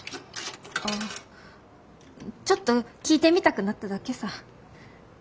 あちょっと聞いてみたくなっただけさ。